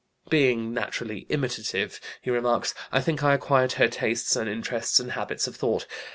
"Being naturally imitative," he remarks, "I think I acquired her tastes and interests and habits of thought.